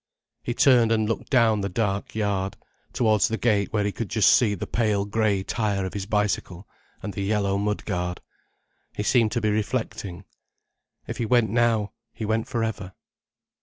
He turned and looked down the dark yard, towards the gate where he could just see the pale grey tire of his bicycle, and the yellow mud guard. He seemed to be reflecting. If he went now, he went for ever.